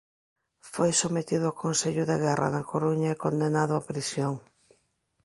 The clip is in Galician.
Foi sometido a consello de guerra na Coruña e condenado a prisión.